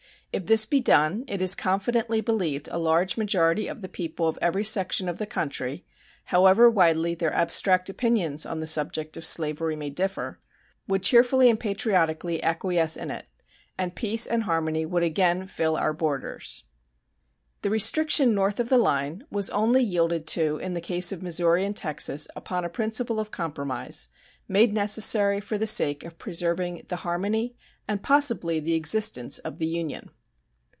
If this be done, it is confidently believed a large majority of the people of every section of the country, however widely their abstract opinions on the subject of slavery may differ, would cheerfully and patriotically acquiesce in it, and peace and harmony would again fill our borders. The restriction north of the line was only yielded to in the case of Missouri and Texas upon a principle of compromise, made necessary for the sake of preserving the harmony and possibly the existence of the Union.